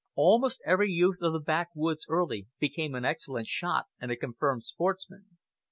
Almost every youth of the backwoods early became an excellent shot and a confirmed sportsman.